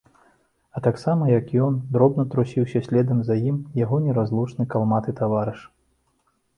І таксама, як ён, дробна трусіўся следам за ім яго неразлучны калматы таварыш.